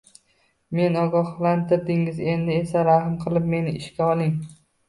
Meni ogohlantirdingiz, endi esa rahm qilib, meni ishga oling